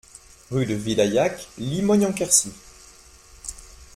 Rue de Vidaillac, Limogne-en-Quercy